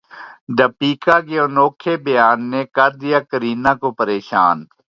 دیپیکا کے انوکھے بیان نے کردیا کرینہ کو پریشان